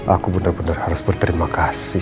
aku bener bener harus berterima kasih